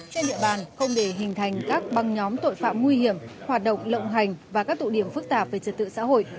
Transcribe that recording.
trên địa bàn không để hình thành các băng nhóm tội phạm nguy hiểm hoạt động lộng hành và các tụ điểm phức tạp về trật tự xã hội